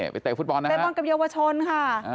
ไปเตะฟุตบอลนะครับไปเตะฟุตบอลกับเยาวชนค่ะ